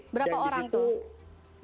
berapa orang tuh